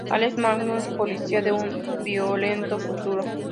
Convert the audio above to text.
Alex Magnum es un policía de un violento futuro.